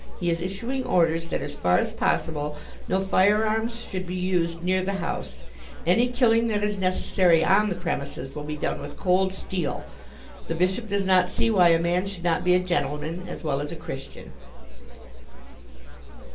He is issuing orders that as far as possible no firearms shall be used near the house; any killing that is necessary on the premises will be done with cold steel. The Bishop does not see why a man should not be a gentleman as well as a Christian."